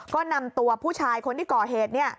ก็นำตัวผู้ชายคนที่ก่อเหตุ